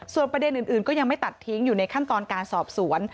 ส่วนประเด็นอื่นก็ยังไม่ตัดทิ้งอยู่ในขั้นตอนการสอบสวน